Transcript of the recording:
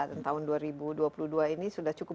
dan tahun dua ribu dua puluh dua ini sudah cukup